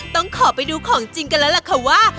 ต้องขอไปดูของจริงกันแล้วล่ะค่ะว่า